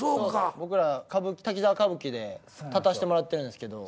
僕ら「滝沢歌舞伎」で立たせてもらってるんですけど。